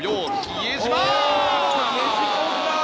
比江島！